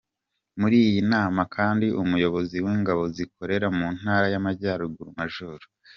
Muri iyi nama kandi umuyobozi w’ingabo zikorera mu Ntara y’Amajyaruguru Maj.